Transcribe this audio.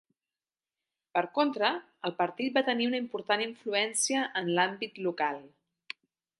Per contra, el partit va tenir una important influència en l'àmbit local.